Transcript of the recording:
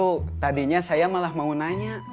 tuh tadinya saya malah mau nanya